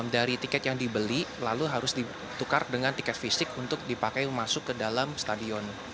dari tiket yang dibeli lalu harus ditukar dengan tiket fisik untuk dipakai masuk ke dalam stadion